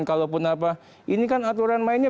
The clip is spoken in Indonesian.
kalaupun apa ini kan aturan mainnya